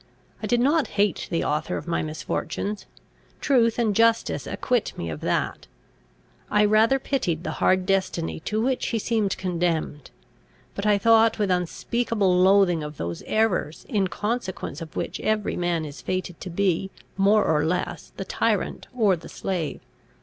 I did not hate the author of my misfortunes truth and justice acquit me of that; I rather pitied the hard destiny to which he seemed condemned. But I thought with unspeakable loathing of those errors, in consequence of which every man is fated to be, more or less, the tyrant or the slave.